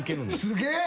すげえ！